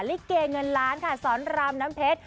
ลิเกเงินล้านค่ะสอนรามน้ำเพชร